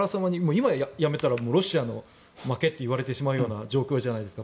今、やめたらロシアの負けといわれてしまう状況じゃないですか。